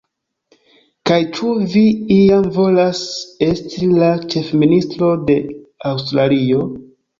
Kaj ĉu vi iam volas esti la ĉefministro de Aŭstralio?